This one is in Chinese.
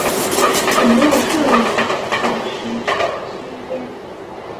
请勿摄影、饮食、吸烟